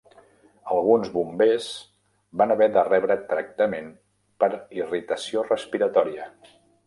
Alguns bombers van haver de rebre tractament per irritació respiratòria.